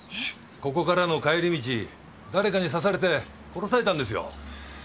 ここからの帰り道誰かに刺されて殺されたんですよ。